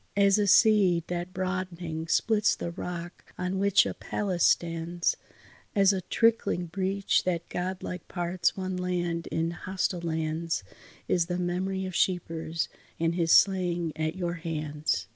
As a seed that broadening splits the rock on which a palace stands, As a trickling breach that godlike parts one land in hostile lands, Is the memory of Scheepers and his slaying at your hands.